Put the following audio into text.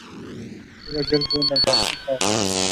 اوراگر وہ ناکافی تھا۔